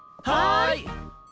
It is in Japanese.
はい。